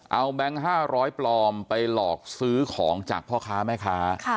เอาแบงค์๕๐๐ปลอมไปหลอกซื้อของจากพ่อค้าแม่ค้า